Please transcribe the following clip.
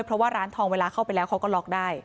เพราะว่าร้านทองเวลาเข้าไปแล้วเขาก็ล็อกได้